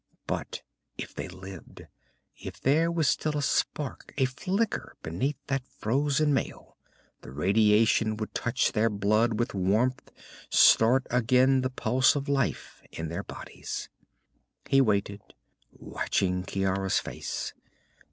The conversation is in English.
But if they lived, if there was still a spark, a flicker beneath that frozen mail, the radiation would touch their blood with warmth, start again the pulse of life in their bodies. He waited, watching Ciara's face.